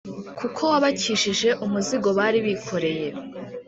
kuko wabakijije umuzigo bari bikoreye,